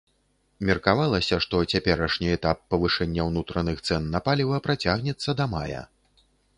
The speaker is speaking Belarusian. Меркавалася, што цяперашні этап павышэння ўнутраных цэн на паліва працягнецца да мая.